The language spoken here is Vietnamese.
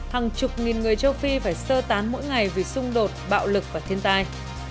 hàng chục nghìn người châu phi phải sơ tán mỗi ngày vì xung đột bạo lực và thiên tai